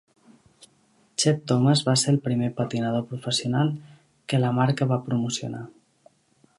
Chet Thomas va ser el primer patinador professional que la marca va promocionar.